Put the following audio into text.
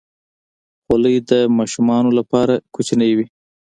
خولۍ د ماشومانو لپاره کوچنۍ وي.